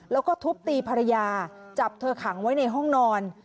แล้วก็ทุบตีภรรยาจับเธอขังไว้ในห้องนอน